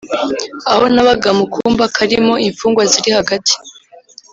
Aho nabaga mu kumba karimo imfungwa ziri hagati